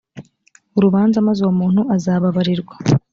urubanza maze uwo muntu azababarirwa